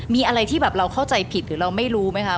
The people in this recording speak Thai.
มีอะไรที่แบบเราเข้าใจผิดหรือเราไม่รู้ไหมคะ